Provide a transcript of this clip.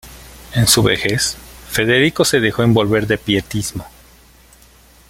En su vejez, Federico se dejó envolver de pietismo.